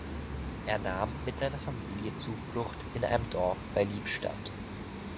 Er nahm mit seiner Familie Zuflucht in einem Dorf bei Liebstadt.